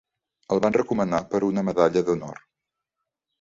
El van recomanar per a una Medalla d'Honor.